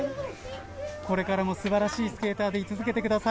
これからもすばらしいスケーターでい続けてください。